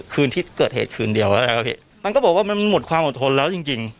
คืนที่เกิดเหตุคืนเดียวแล้วนะครับพี่มันก็บอกว่ามันหมดความอดทนแล้วจริงจริง